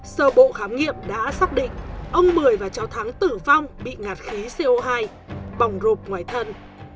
sơ bộ khám nghiệm đã xác định ông mười và cháu thắng tử vong bị ngạt khí co hai bỏng rụp ngoài thân